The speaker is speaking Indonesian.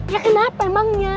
ya kenapa emangnya